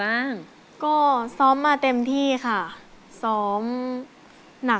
แก้มขอมาสู้เพื่อกล่องเสียงให้กับคุณพ่อใหม่นะครับ